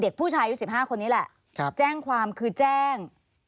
ผู้ชายอายุ๑๕คนนี้แหละแจ้งความคือแจ้ง